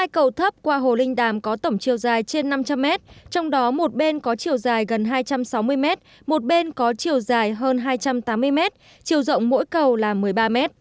hai cầu thấp qua hồ linh đàm có tổng chiều dài trên năm trăm linh mét trong đó một bên có chiều dài gần hai trăm sáu mươi m một bên có chiều dài hơn hai trăm tám mươi m chiều rộng mỗi cầu là một mươi ba m